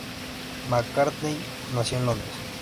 McCartney nació en Londres.